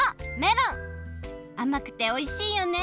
あまくておいしいよね。